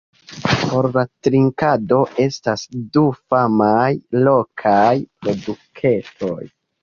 Por la trinkado estas du famaj lokaj produktoj.